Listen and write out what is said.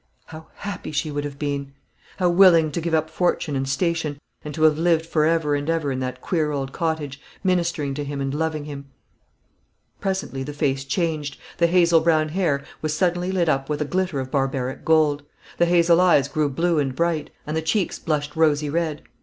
How happy she would have been! How willing to give up fortune and station, and to have lived for ever and ever in that queer old cottage, ministering to him and loving him! Presently the face changed. The hazel brown hair was suddenly lit up with a glitter of barbaric gold; the hazel eyes grew blue and bright; and the cheeks blushed rosy red.